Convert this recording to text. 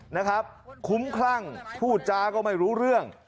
นะครับคุ้มคลั่งพูดจาก็ไม่รู้เรื่อง